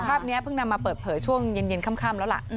ภาพนี้เพิ่งนำมาเปิดเผยช่วงเย็นค่ำแล้วล่ะ